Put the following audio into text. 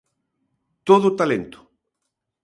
Todo talento.